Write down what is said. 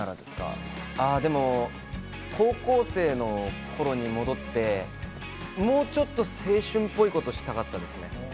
高校生の頃に戻って、もうちょっと、青春っぽいことしたかったですね。